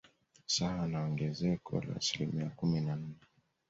Sawa na ongezeko la asilimia kumi na nne